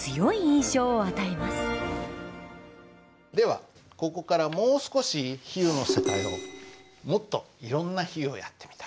ではここからもう少し比喩の世界をもっといろんな比喩をやってみたい。